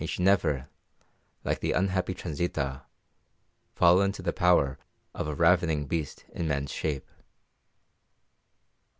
May she never, like the unhappy Transita, fall into the power of a ravening beast in man's shape."